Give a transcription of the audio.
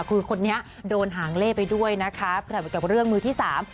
คือคนนี้โดนหางเล่ไปด้วยนะคะสำหรับเรื่องมือที่สาม